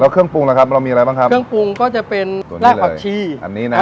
แล้วเครื่องปรุงล่ะครับเรามีอะไรบ้างครับเครื่องปรุงก็จะเป็นตัวนี้เลยล่าผักชีอันนี้น่ะ